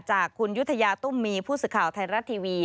จากคุณยุธยาตุ้มมีผู้สื่อข่าวไทยรัฐทีวี